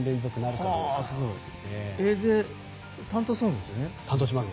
野上さん担当するんですよね。